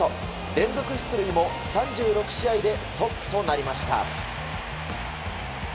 連続出塁も３６試合でストップとなりました。